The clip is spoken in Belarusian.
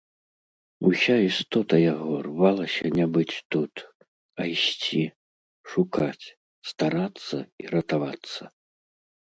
Уся істота яго рвалася не быць тут, а ісці, шукаць, старацца і ратавацца.